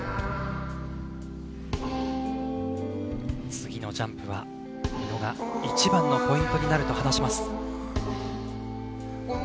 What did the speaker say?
次のジャンプは一番のポイントだと話します。